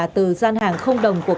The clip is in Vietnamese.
từ gian hàng không đồng tiền